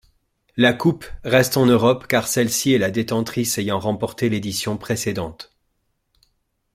La coupe reste en Europe car celle-ci est la détentrice ayant remporté l'édition précédente.